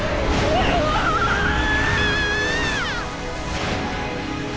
うわあっ！